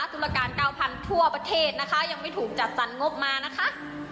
ตุรการ๙๐๐ทั่วประเทศนะคะยังไม่ถูกจัดสรรงบมานะคะ